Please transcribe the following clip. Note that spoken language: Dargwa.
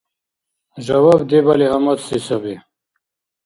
Жаваб дебали гьамадси саби.